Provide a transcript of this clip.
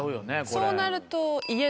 そうなると。